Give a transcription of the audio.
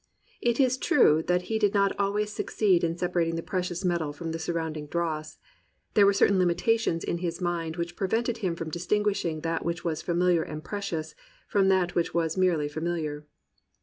It is true that he did not always succeed in sepa rating the precious metal from the surrounding dross. There were certain limitations in his mind which prevented him from distinguishing that which was familiar and precious, from that which was merely familiar.